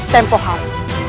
tempoh hal itu